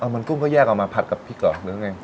อ๋อมันกุ้งก็แยกเอามาผัดกับพริกเหรอหรือเป็นไง